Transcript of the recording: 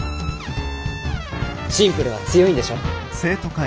シンプルは強いんでしょ。